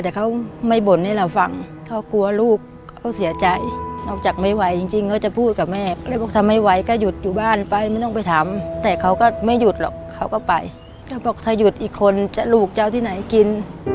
ก็บอกว่าถ้าหยุดอีกคนลูกจะเอาที่ไหนกิน